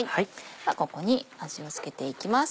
ではここに味を付けていきます。